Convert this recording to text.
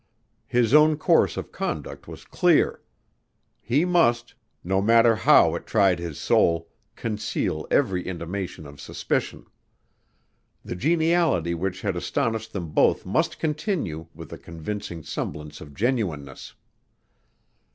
His own course of conduct was clear. He must, no matter how it tried his soul, conceal every intimation of suspicion. The geniality which had astonished them both must continue with a convincing semblance of genuineness.